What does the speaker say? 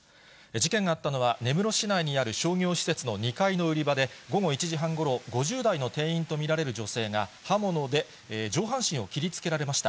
事件があったのは、根室市内にある商業施設の２階の売り場で、午後１時半ごろ、５０代の店員と見られる女性が、刃物で上半身を切りつけられました。